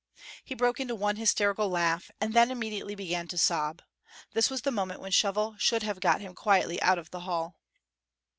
He broke into one hysterical laugh and then immediately began to sob. This was the moment when Shovel should have got him quietly out of the hall.